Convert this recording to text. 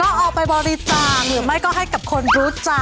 ก็เอาไปบริจาคหรือไม่ก็ให้กับคนรู้จัก